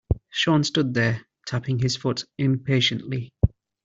Sean stood there tapping his foot impatiently.